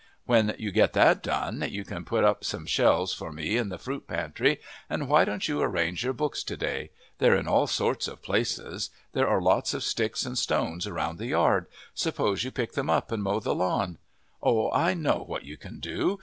When you get that done you can put up some shelves for me in the fruit pantry, and why don't you arrange your books to day? They're in all sorts of places. There are lots of sticks and stones around the yard. Suppose you pick them up and mow the lawn. Oh, I know what you can do!